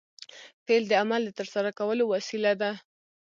فعل د عمل د ترسره کولو وسیله ده.